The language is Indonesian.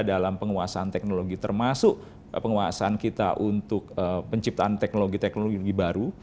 dalam penguasaan teknologi termasuk penguasaan kita untuk penciptaan teknologi teknologi baru